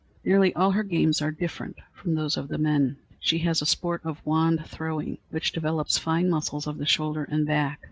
Nearly all her games are different from those of the men. She has a sport of wand throwing, which develops fine muscles of the shoulder and back.